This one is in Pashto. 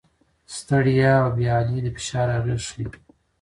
ستړیا او بې حالي د فشار اغېز ښيي.